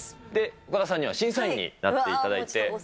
岡田さんには審査員になっていただいて。